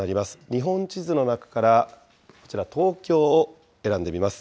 日本地図の中からこちら、東京を選んでみます。